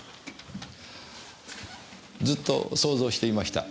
ずっと想像していました。